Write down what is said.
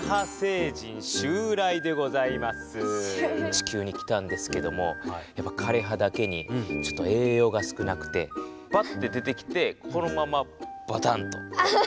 地球に来たんですけども枯れ葉だけに栄養が少なくてバッて出てきてこのままバタンと。